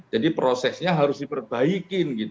jadi prosesnya harus diperbaikin